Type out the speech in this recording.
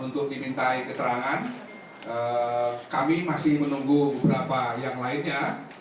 untuk dimintai keterangan kami masih menunggu beberapa yang lainnya